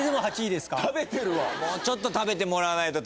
もうちょっと食べてもらわないと。